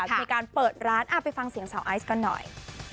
มีการเปิดร้านไปฟังเสียงสาวไอซ์กันหน่อย